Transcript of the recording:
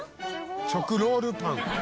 「直ロールパン」